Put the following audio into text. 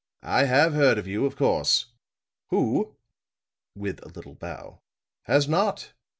"I have heard of you, of course. Who," with a little bow, "has not?